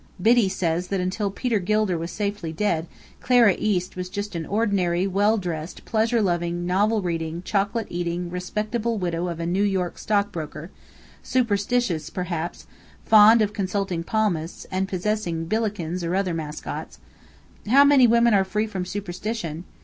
Biddy says that until Peter Gilder was safely dead, Clara East was just an ordinary, well dressed, pleasure loving, novel reading, chocolate eating, respectable widow of a New York stockbroker: superstitious perhaps; fond of consulting palmists, and possessing Billikens or other mascots: (how many women are free from superstition?)